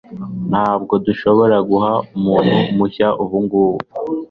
Ntabwo dushobora guha umuntu mushya ubungubu.